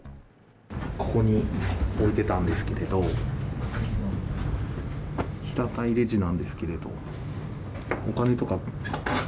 ここに置いてたんですけれど、平たいレジなんですけれど。